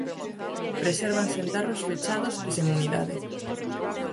Presérvanse en tarros fechados e sen humidade.